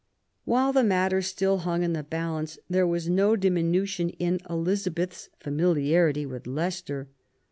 While the matter still hung in the balance, there was no diminution in Elizabeth's familiarity with Leicester.